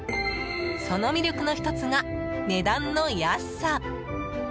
その魅力の１つが、値段の安さ。